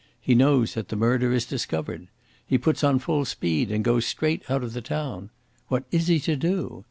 He knows that the murder is discovered. He puts on full speed and goes straight out of the town. What is he to do?